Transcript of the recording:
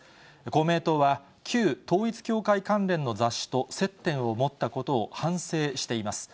公明党は、旧統一教会関連の雑誌と接点を持ったことを反省しています。